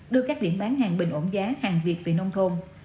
đưa các điểm bán hàng bình ổn giá hàng việt về nông thôn